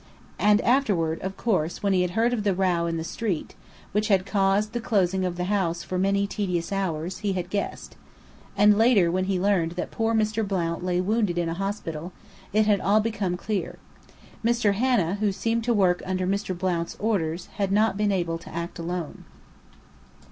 Afterward, of course, when he had heard of the row in the street, which had caused the closing of the house for many tedious hours, he had guessed. And later when he learned that poor Mr. Blount lay wounded in a hospital, it had all become clear. Mr. Hanna, who seemed to work under Mr. Blount's orders, had not been able to act alone.